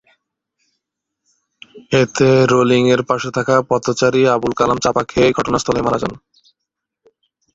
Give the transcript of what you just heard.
এতে রেলিংয়ের পাশে থাকা পথচারী আবুল কালাম চাপা খেয়ে ঘটনাস্থলেই মারা যান।